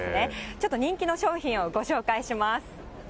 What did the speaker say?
ちょっと人気の商品をご紹介します。